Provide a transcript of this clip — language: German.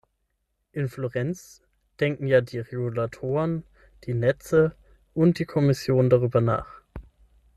In Florenz denken ja die Regulatoren, die Netze und die Kommission darüber nach.